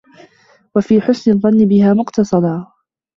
وَفِي حُسْنِ الظَّنِّ بِهَا مُقْتَصِدًا